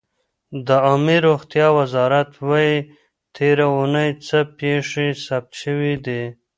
د عامې روغتیا وزارت وایي تېره اوونۍ څه پېښې ثبت شوې دي.